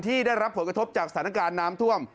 ได้รับผลกระทบจากสถานการณ์น้ำท่วม